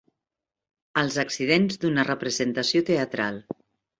Els accidents d'una representació teatral.